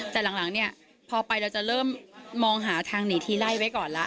แต่หลังเนี่ยพอไปเราจะเริ่มมองหาทางหนีทีไล่ไว้ก่อนแล้ว